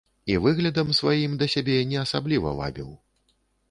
І выглядам сваім да сябе не асабліва вабіў.